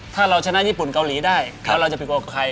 ถ้าเราชนะญี่ปุ่นกาหลีได้แล้วจะปลิกัวกับใคร